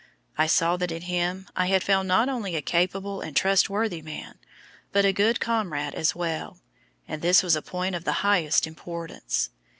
I saw that in him I had found not only a capable and trustworthy man, but a good comrade as well; and this was a point of the highest importance.